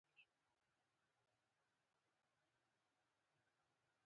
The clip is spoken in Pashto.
یو مایکرومتر د یو ملي متر له برخې سره مساوي دی.